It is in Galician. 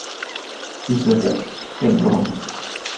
Iso é certo, é un romántico.